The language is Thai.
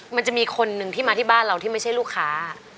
มันจะมีคนหนึ่งที่มาที่บ้านเราที่ไม่ใช่ลูกค้า